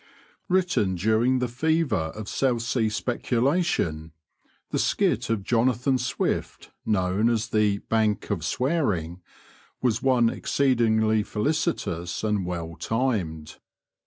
_ Written during the fever of South Sea speculation, the skit of Jonathan Swift, known as the "Bank of Swearing," was one exceedingly felicitous and well timed.